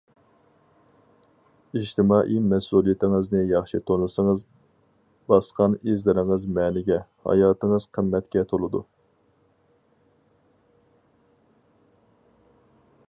ئىجتىمائىي مەسئۇلىيىتىڭىزنى ياخشى تونۇسىڭىز باسقان ئىزلىرىڭىز مەنىگە، ھاياتىڭىز قىممەتكە تولىدۇ.